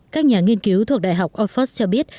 các nhà nghiên cứu thuộc đại học oxford cho biết